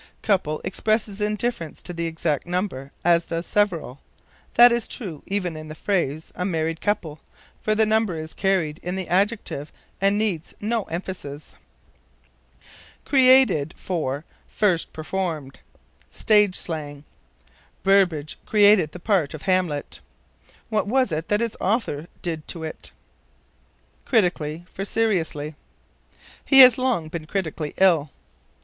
Couple expresses indifference to the exact number, as does several. That is true, even in the phrase, a married couple, for the number is carried in the adjective and needs no emphasis. Created for First Performed. Stage slang. "Burbage created the part of Hamlet." What was it that its author did to it? Critically for Seriously. "He has long been critically ill."